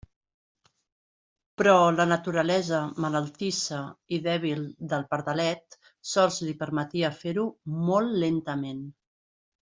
Però la naturalesa malaltissa i dèbil del pardalet sols li permetia fer-ho molt lentament.